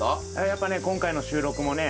やっぱね今回の収録もね